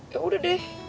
ya udah deh